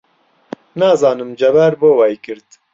نازانم جەبار بۆ وای کرد.